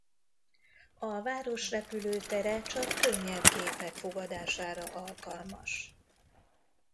A város repülőtere csak könnyebb gépek fogadására alkalmas.